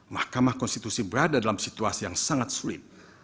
mahkamah konstitusi berada dalam situasi yang sangat sulit